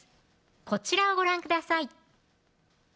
こちらをご覧ください